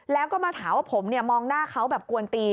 แล้วก็มาถามว่าผมมองหน้าเขาแบบกวนตี